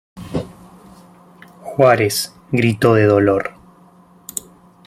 Juárez gritó de dolor.